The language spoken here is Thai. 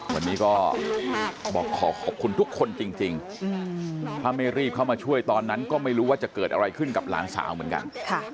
วันนี้ก็บอกขอขอบคุณทุกคนจริงถ้าไม่รีบเข้ามาช่วยตอนนั้นก็ไม่รู้ว่าจะเกิดอะไรขึ้นกับหลานสาวเหมือนกัน